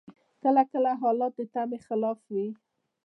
کله کله حالات د تمي خلاف وي.